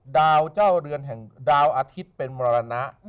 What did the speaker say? ดาวเจ้าเรือนแห่งดาวอาทิตย์เป็นมรณะ